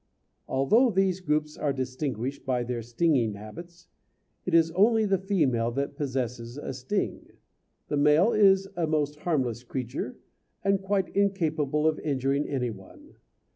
Although these groups are distinguished by their stinging habits, it is only the female that possesses a sting the male is a most harmless creature and quite incapable of injuring any one.